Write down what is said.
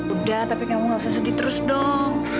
udah tapi kamu gak usah sedih terus dong